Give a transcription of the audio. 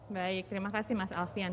baik terima kasih mas alfian